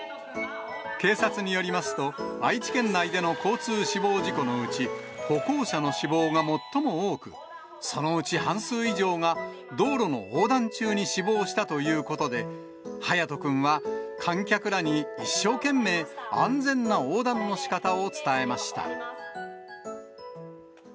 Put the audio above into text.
警察によりますと、愛知県内での交通死亡事故のうち、歩行者の死亡が最も多く、そのうち半数以上が、道路の横断中に死亡したということで、ハヤトくんは、観客らに一生懸命、安全な横断のしかたを伝えました。